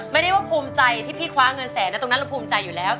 ไม่ได้ว่าภูมิใจที่พี่คว้าเงินแสนนะตรงนั้นเราภูมิใจอยู่แล้ว